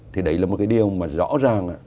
thì đấy là một cái điều mà rõ ràng